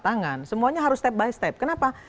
tangan semuanya harus step by step kenapa